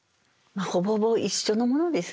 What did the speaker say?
ほぼほぼ一緒のものですね。